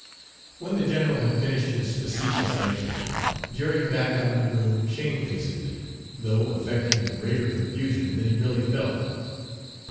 When the general had finished his facetious lecture, Jerry backed out of the room shamefacedly, though affecting a greater confusion than he really felt.